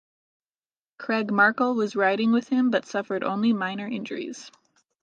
Craig Markle was riding with him but suffered only minor injuries.